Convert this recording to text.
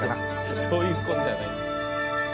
そういうことじゃない。